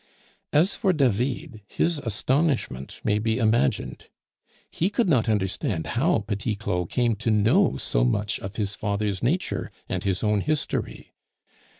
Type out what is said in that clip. As for David, his astonishment may be imagined; he could not understand how Petit Claud came to know so much of his father's nature and his own history.